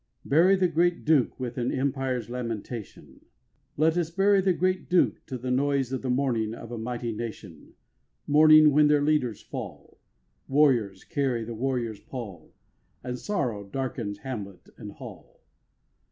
1. Bury the Great Duke With an empire's lamentation, Let us bury the Great Duke To the noise of the mourning of a mighty nation, Mourning when their leaders fall, Warriors carry the warrior's pall, And sorrow darkens hamlet and hall.